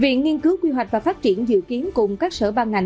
viện nghiên cứu quy hoạch và phát triển dự kiến cùng các sở ban ngành